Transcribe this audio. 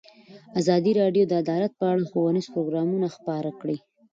ازادي راډیو د عدالت په اړه ښوونیز پروګرامونه خپاره کړي.